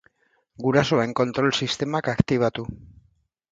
Gurasoen kontrol sistemak aktibatu.